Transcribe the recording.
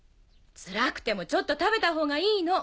つらくてもちょっと食べたほうがいいの。